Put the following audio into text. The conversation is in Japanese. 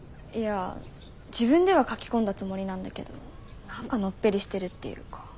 いや自分では描き込んだつもりなんだけど何かのっぺりしてるっていうか。